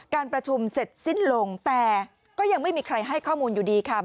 การประชุมเสร็จสิ้นลงแต่ก็ยังไม่มีใครให้ข้อมูลอยู่ดีค่ะ